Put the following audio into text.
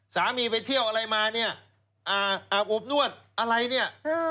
ซามีไปเที่ยวอะไรมาอาบอบนวดอะไร